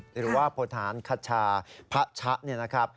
หรือว่าพนฐานขชาพระชะ